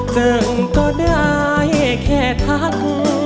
จึงก็ได้แค่ทั้ง